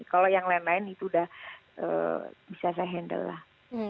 kalau yang lain lain itu udah bisa saya handle lah